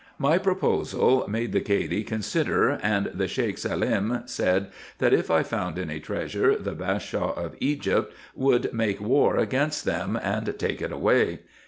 My proposal made the Cady consider, and the Sheik Salem said, that if I found any treasure, the Bashaw of Egypt would make war against them, and take it away.